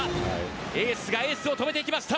エースがエースを止めました！